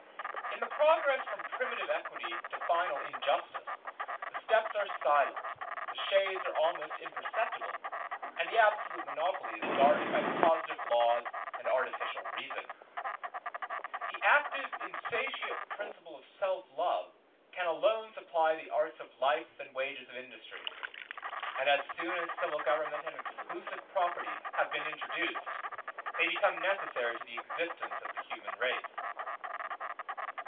In the progress from primitive equity to final injustice, the steps are silent, the shades are almost imperceptible, and the absolute monopoly is guarded by positive laws and artificial reason. The active, insatiate principle of self love can alone supply the arts of life and the wages of industry; and as soon as civil government and exclusive property have been introduced, they become necessary to the existence of the human race.